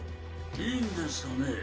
・いいんですかね？